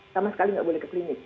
sama sekali nggak boleh ke klinik